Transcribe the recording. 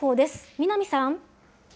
南さん。